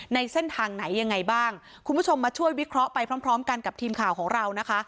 ในเส้นทางไหนยังไงบ้างคุณผู้ชมมาช่วยวิเคราะห์ไปพร้อมพร้อมกันกับทีมข่าวของเรานะคะ